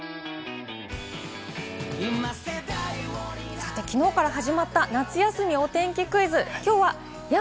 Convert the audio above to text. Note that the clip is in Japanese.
さて、きのうから始まった夏休みお天気クイズ。